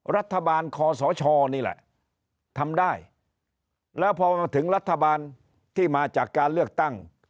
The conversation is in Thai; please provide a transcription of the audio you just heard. รัฐบาลคอสชนี่แหละทำได้แล้วพอมาถึงรัฐบาลที่มาจากการเลือกตั้ง